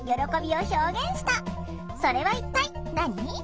それは一体何？